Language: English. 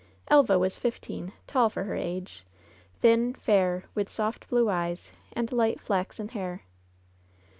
Elva was fifteen, tall for her age, thin, fair, with soft, blue eyes, and light, flaxen hair.